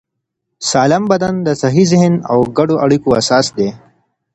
سالم بدن د صحي ذهن او ګډو اړیکو اساس دی.